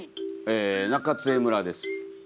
中津江村です。